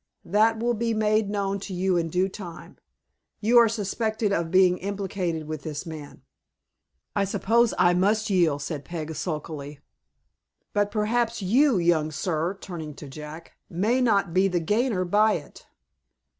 "That will be made known to you in due time. You are suspected of being implicated with this man." "I suppose I must yield," said Peg, sulkily. "But perhaps you, young sir," turning to Jack, "may not be the gainer by it."